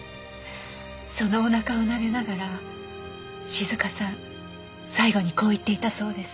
そのお腹をなでながら静香さん最後にこう言っていたそうです。